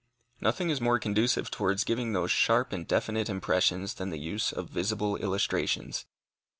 Nothing is more conducive towards giving these sharp and definite impressions than the use of visible illustrations.